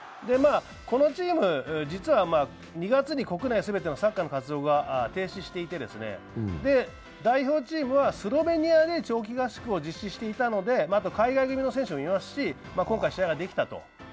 このチーム、実は国内全てのサッカーの活動が停止していて、代表チームはスロベニアで長期合宿を実施していたので、海外組の選手も呼べますし今回試合ができたと。